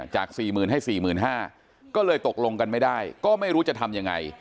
๔๐๐๐ให้๔๕๐๐ก็เลยตกลงกันไม่ได้ก็ไม่รู้จะทำยังไง